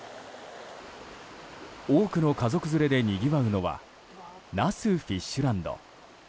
多くの家族連れでにぎわうのは那須フィッシュランド。